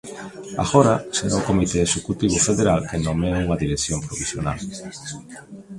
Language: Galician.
Agora será o comité executivo federal quen nomee unha dirección provisional.